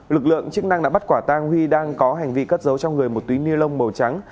lực lượng chức năng đã bắt quả tang huy đang có hành vi cất giấu trong người một túi ni lông màu trắng